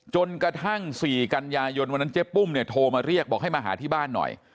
จนกระทั่ง๔กันยายนวันนั้นเจ๊ปุ้มเนี่ยโทรมาเรียกบอกให้มาหาที่บ้านหน่อย